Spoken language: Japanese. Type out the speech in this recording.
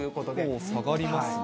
結構下がりますね。